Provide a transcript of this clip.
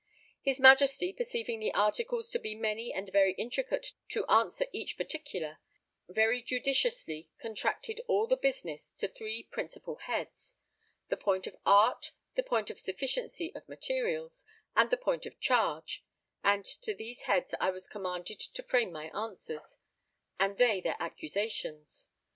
His Majesty perceiving the articles to be many and very intricate to answer each particular, very judiciously contracted all the business to three principal heads: the point of art, the point of sufficiency of materials, and the point of charge; and to these heads I was commanded to frame my answers, and they their accusations.